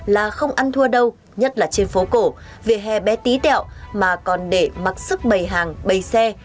là không ăn thua đâu nhất là trên phố cổ về hè bé tý đẹo mà còn để mặc sức bày hàng bày xe